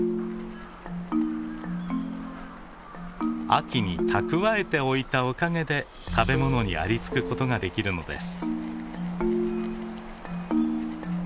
秋に蓄えておいたおかげで食べ物にありつくことができるのです。